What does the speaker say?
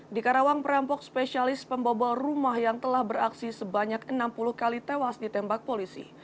di karawang perampok spesialis pembobol rumah yang telah beraksi sebanyak enam puluh kali tewas ditembak polisi